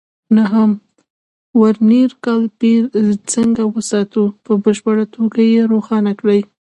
نهم: ورنیر کالیپر څنګه وساتو؟ په بشپړه توګه یې روښانه کړئ.